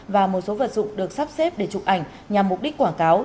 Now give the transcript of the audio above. và một số vật dụng được sắp xếp để chụp ảnh nhằm mục đích quảng cáo